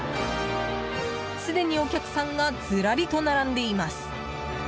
すでにお客さんがずらりと並んでいます。